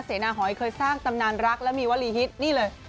เสนาหอยเคยสร้างตำนานรักและมีวลีฮิตนี่เลย